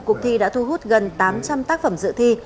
cuộc thi đã thu hút gần tám trăm linh tác phẩm dự thi